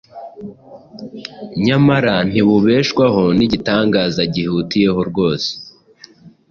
nyamara ntibubeshwaho n’igitangaza gihutiyeho rwose